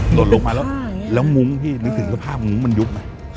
หล่นลงมาแล้วแล้วมุ้งพี่นึกถึงสภาพมุ้งมันยุบไหม